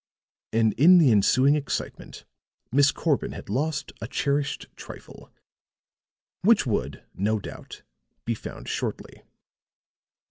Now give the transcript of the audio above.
And in the ensuing excitement, Miss Corbin had lost a cherished trifle which would no doubt be found shortly.